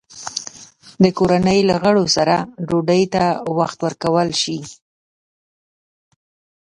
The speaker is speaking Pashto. د کورنۍ له غړو سره ډوډۍ ته وخت ورکول شي؟